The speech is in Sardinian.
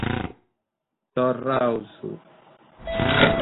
Esecutivos.